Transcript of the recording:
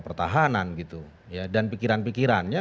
pertahanan gitu ya dan pikiran pikirannya